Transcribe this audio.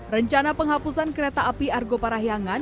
rencana penghapusan kereta api argo parahyangan